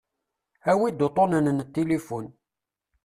Awi-d uṭṭunen n tilifun.